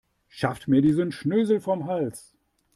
Schafft mir diesen Schnösel vom Hals.